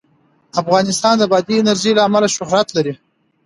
افغانستان د بادي انرژي له امله شهرت لري.